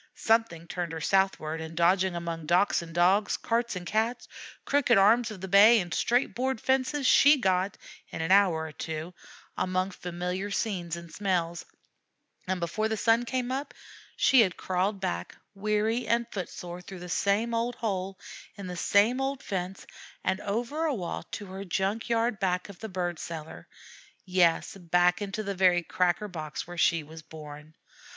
Something turned her southward; and, dodging among docks and Dogs, carts and Cats, crooked arms of the bay and straight board fences, she got, in an hour or two, among familiar scenes and smells; and, before the sun came up, she had crawled back weary and foot sore through the same old hole in the same old fence and over a wall to her junk yard back of the bird cellar yes, back into the very cracker box where she was born.